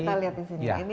mungkin kita lihat di sini